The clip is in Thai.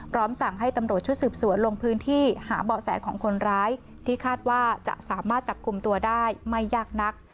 สั่งให้ตำรวจชุดสืบสวนลงพื้นที่หาเบาะแสของคนร้ายที่คาดว่าจะสามารถจับกลุ่มตัวได้ไม่ยากนัก